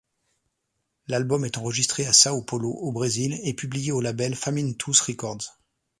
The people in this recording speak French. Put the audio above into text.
L'album est enregistré à São Paulo, au Brésil, et publié au label Faminttus Records.